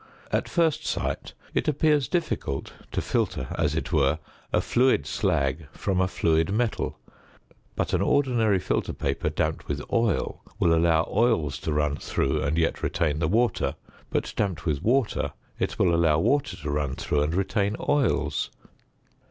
At first sight it appears difficult to filter, as it were, a fluid slag from a fluid metal; but an ordinary filter paper damped with oil will allow oils to run through and yet retain the water; but damped with water it will allow water to run through and retain oils.